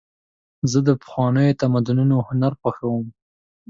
زه د پخوانیو تمدنونو هنر خوښوم.